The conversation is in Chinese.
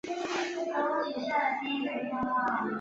打击乐器可能是最古老的乐器。